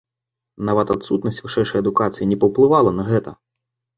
Нават адсутнасць вышэйшай адукацыі не паўплывала на гэта.